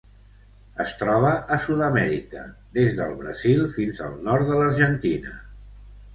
Es troba a Sud-amèrica: des del Brasil fins al nord de l'Argentina.